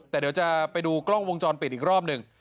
แต่เดี๋ยวจะไปดูกล้องวงจรปิดอีกรอบหนึ่ง